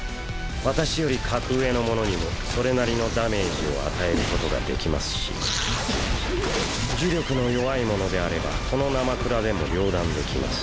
私より格上の者にもそれなりのダメージを与えることができますし呪力の弱い者であればこのなまくらでも両断できます。